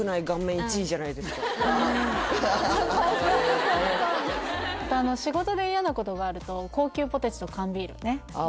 そうそうそうあと「仕事で嫌なことがあると高級ポテチと缶ビール」ねああ